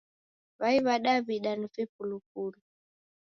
W'ai wa daw'ida ni vipulupulu